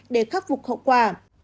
để khắc phục hậu quả